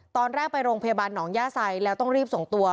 ตอนแรกไปโรงพยาบาลหนองย่าไซแล้วต้องรีบส่งตัว